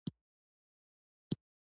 افغانستان کې کندهار د خلکو د خوښې وړ ځای دی.